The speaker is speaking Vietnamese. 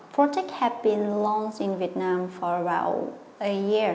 cơ hội truyền thông việt nam chỉ có tầm sáu cơ hội truyền thông asean